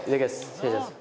失礼します。